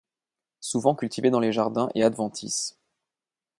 Souvent cultivé dans les jardins et adventice.